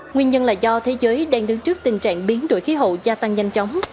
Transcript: nguyên nhân là do thế giới đang đứng trước tình trạng biến đổi khí hậu gia tăng nhanh chóng